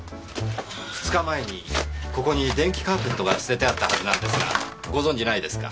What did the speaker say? ２日前ここに電気カーペットが捨ててあったはずなんですがご存じないですか？